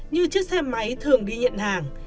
như chiếc xe máy thường đi nhận hàng